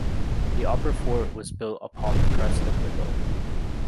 The upper fort was built upon the crest of the hill.